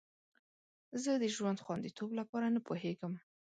زه د ژوند خوندیتوب لپاره نه پوهیږم.